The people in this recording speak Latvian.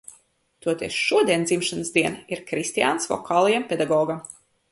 Toties šodien dzimšanas diena ir Kristiānas vokālajam pedagogam.